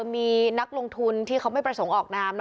มีนักลงทุนที่เขาไม่ประสงค์ออกนาม